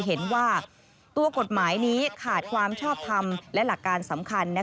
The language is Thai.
เห็นว่าตัวกฎหมายนี้ขาดความชอบทำและหลักการสำคัญ